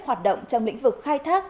hoạt động trong lĩnh vực khai thác